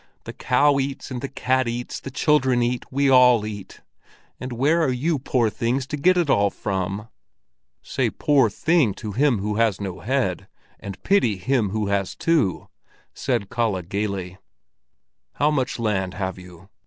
The cow eats, and the cat eats, the children eat, we all eat; and where are you, poor things, to get it all from!" "Say 'poor thing' to him who has no head, and pity him who has two," said Kalle gaily. "How much land have you?"